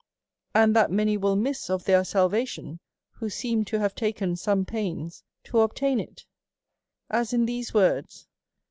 And that many wiii miss of their salvation, who seem to have taken soaie pains to obtain it. As in these words.